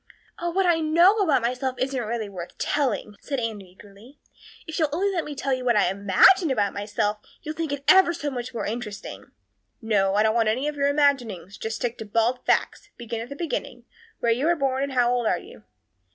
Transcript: "Oh, what I know about myself isn't really worth telling," said Anne eagerly. "If you'll only let me tell you what I imagine about myself you'll think it ever so much more interesting." "No, I don't want any of your imaginings. Just you stick to bald facts. Begin at the beginning. Where were you born and how old are you?"